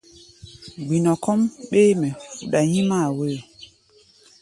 Gbinɔ kɔ́ʼm ɓéémɛ fuɗa nyímáa wóyo.